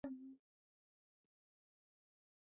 ya Misak inaishi katika mkoa wa kusini wa Cauca